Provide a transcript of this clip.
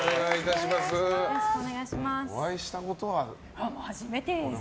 お会いしたことは？